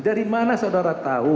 dari mana saudara tahu